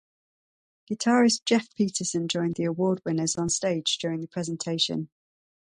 Guitarist Jeff Peterson joined the award winners on stage during the presentation.